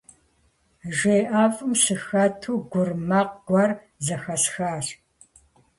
Жей ӀэфӀым сыхэту, гурым макъ гуэр зэхэсхащ.